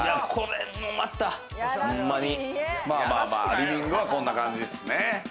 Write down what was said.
リビングは、こんな感じですね。